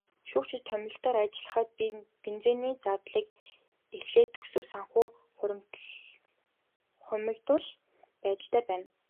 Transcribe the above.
Шүүгчид томилолтоор ажиллахад бензиний зардлаас эхлээд төсөв санхүү хумигдмал байдалтай байна.